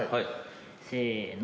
せの！